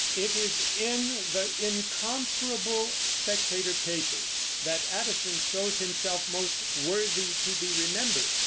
It is in the incomparable Spectator papers that Addison shows himself most "worthy to be remembered."